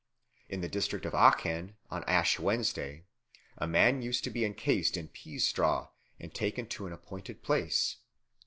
In the district of Aachen on Ash Wednesday, a man used to be encased in peas straw and taken to an appointed place.